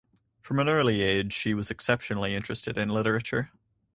From an early age she was exceptionally interested in literature.